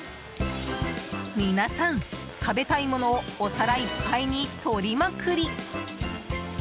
皆さん、食べたいものをお皿いっぱいに取りまくり！